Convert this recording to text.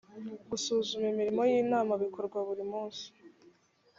gusuzuma imirimo y ‘inama bikorwa burimunsi.